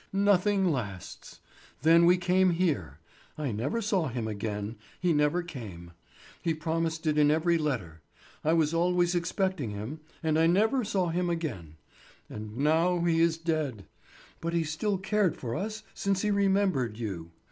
Nothing lasts. Then we came here—I never saw him again; he never came. He promised it in every letter. I was always expecting him, and I never saw him again—and now he is dead! But he still cared for us since he remembered you.